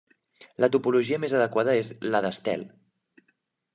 La topologia més adequada és la d'estel.